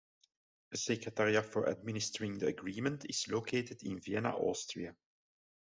A Secretariat for administering the agreement is located in Vienna, Austria.